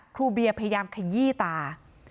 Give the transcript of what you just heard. ครูเบียพยายามขยี้ตา